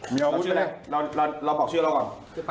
เราบอกชื่ออะไรก่อน